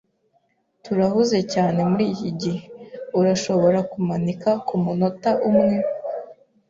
Turahuze cyane muriki gihe. Urashobora kumanika kumunota umwe?